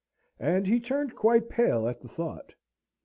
And he turned quite pale at the thought.